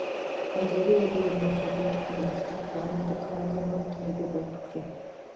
ازادي راډیو د د مخابراتو پرمختګ په اړه د کارګرانو تجربې بیان کړي.